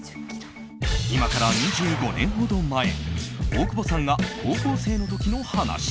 今から２５年ほど前大久保さんが高校生の時の話。